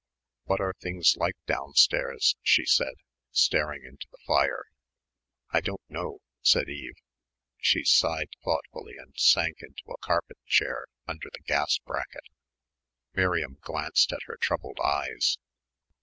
"What are things like downstairs?" she said, staring into the fire. "I don't know," said Eve. She sighed thoughtfully and sank into a carpet chair under the gas bracket. Miriam glanced at her troubled eyes.